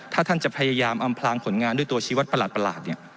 ถ้าท่านจะพยายามอำพลางผลงานด้วยตัวชีวัตรประหลาดเนี่ย